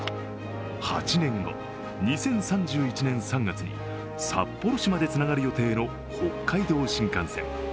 ８年後、２０３１年３月に札幌市までつながる予定の北海道新幹線。